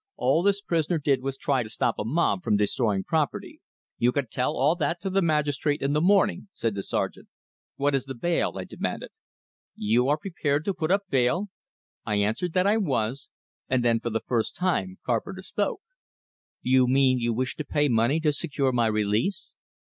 All this prisoner did was to try to stop a mob from destroying property." "You can tell all that to the magistrate in the morning," said the sergeant. "What is the bail?" I demanded. "You are prepared to put up bail?" I answered that I was; and then for the first time Carpenter spoke. "You mean you wish to pay money to secure my release?